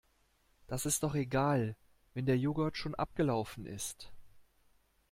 Das ist doch egal, wenn der Joghurt schon abgelaufen ist.